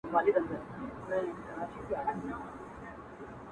ستـا د سونډو رنگ ـ